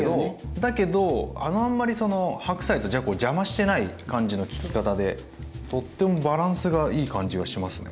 だけどあんまりその白菜とじゃこを邪魔してない感じの効き方でとってもバランスがいい感じがしますね。